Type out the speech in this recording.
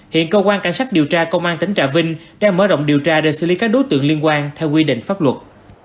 hiện cơ quan cảnh sát điều tra công an tỉnh trà vinh đang mở rộng điều tra để xử lý các đối tượng liên quan theo quy định pháp luật